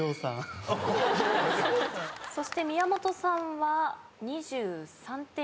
そして宮本さんは２３点。